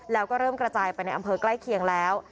แล้วก็เริ่มกระจายไปในอำเภอใกล้เคียงแล้ว